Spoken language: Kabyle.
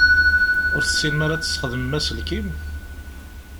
Ur tessinem ara ad tesxedmem aselkim?